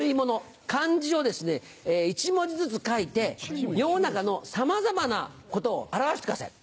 漢字を１文字ずつ書いて世の中のさまざまなことを表してください